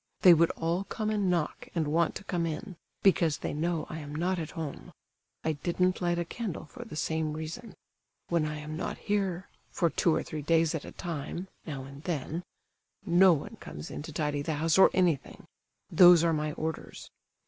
They would all come and knock and want to come in, because they know I am not at home. I didn't light a candle for the same reason. When I am not here—for two or three days at a time, now and then—no one comes in to tidy the house or anything; those are my orders.